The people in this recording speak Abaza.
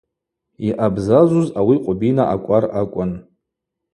Йъабзазуз ауи Къвбина акӏвар акӏвын.